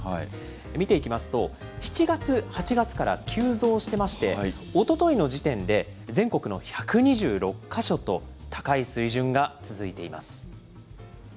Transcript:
見ていきますと、７月、８月から急増してまして、おとといの時点で、全国の１２６か所と、高い水準が続いています。